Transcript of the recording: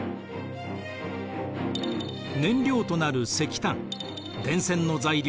燃料となる石炭電線の材料